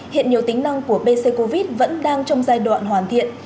hiện nhiều tính năng của pc covid vẫn đang trong giai đoạn hoàn thiện